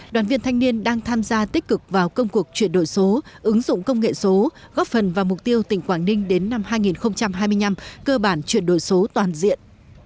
đoàn viên thanh niên đang tham gia tích cực vào công cuộc chuyển đổi số ứng dụng công nghệ số góp phần vào mục tiêu tỉnh quảng ninh đến năm hai nghìn hai mươi năm cơ bản chuyển đổi số toàn diện